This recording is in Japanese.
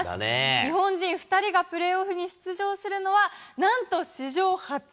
日本人２人がプレーオフに出場するのは、なんと史上初。